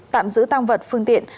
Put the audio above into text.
tạm giữ tăng vật phương tiện